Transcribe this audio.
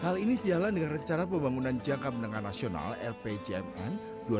hal ini sejalan dengan rencana pembangunan jangka menangan nasional lpjmn dua ribu dua puluh dua ribu dua puluh empat